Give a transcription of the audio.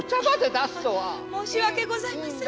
申し訳ございません。